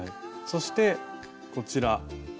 そしてこちら。